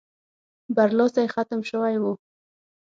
برلاسی ختم شوی وو.